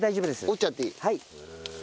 折っちゃっていい。